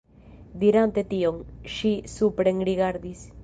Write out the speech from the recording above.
Dirante tion, ŝi suprenrigardis.